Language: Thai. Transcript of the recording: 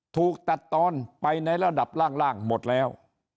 ถูกตัดตอนไปในระดับล่างหมดแล้ว